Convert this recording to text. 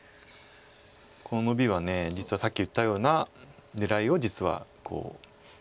このノビは実はさっき言ったような狙いを実は。